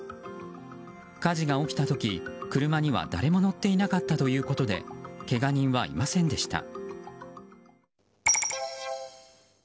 火事が起きた時、車には誰も乗っていなかったということでけが人はいませんでした。